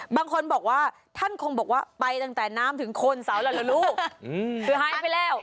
บางคนบอกว่าท่านคงบอกว่าไปตั้งแต่น้ำถึงคนเสาแล้วเหรอลูกคือหายไปแล้ว